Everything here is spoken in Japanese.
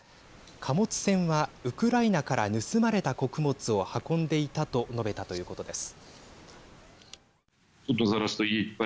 貨物船はウクライナから盗まれた穀物を運んでいたと述べたということです。